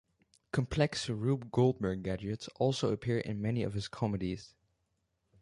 Complex Rube Goldberg gadgets also appear in many of his comedies.